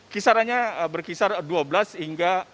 kisarannya berkisar dua belas hingga